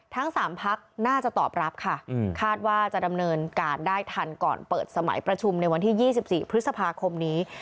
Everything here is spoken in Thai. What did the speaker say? ทั้ง๓พักน่าจะตอบรับค่ะคาดว่าจะดำเนินการได้ทันก่อนเปิดสมัยประชุมในวันที่๒๔พฤษภาคมนี้